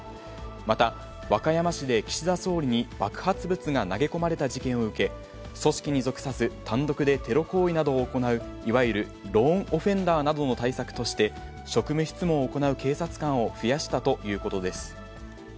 また、和歌山市で岸田総理に爆発物が投げ込まれた事件を受け、組織に属さず、単独でテロ行為などを行う、いわゆるローンオフェンダーなどの対策として、職務質問を行う警察官を増やしたということです。